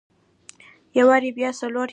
يو واري بيا څلور ياره.